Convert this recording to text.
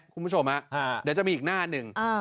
คุณผู้ชมเดี๋ยวจะมีอีกหน้าหนึ่ง